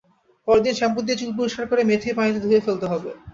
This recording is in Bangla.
পরদিন শ্যাম্পু দিয়ে চুল পরিষ্কার করে মেথির পানিতে ধুয়ে ফেলতে হবে।